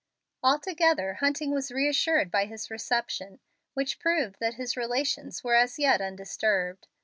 Altogether Hunting was reassured by his reception, which proved that his relations were as yet undisturbed.